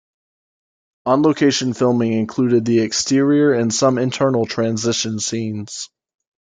On-location filming included the exterior and some internal transition scenes.